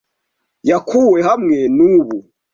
Yakuwe hamwe nubu.